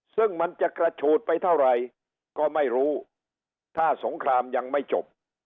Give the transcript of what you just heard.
ซึ่งมันจะกระฉูดไปเท่าไหร่ก็ไม่รู้ถ้าสงครามยังไม่จบ